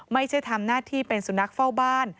ไม่ใช่ทำหน้าที่เป็นสุนัขเฝ้าบ้าน